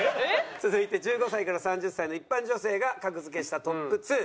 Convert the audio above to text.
続いて１５歳から３０歳の一般女性が格付けしたトップ２。